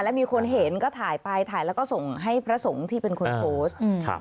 แล้วมีคนเห็นก็ถ่ายไปถ่ายแล้วก็ส่งให้พระสงฆ์ที่เป็นคนโพสต์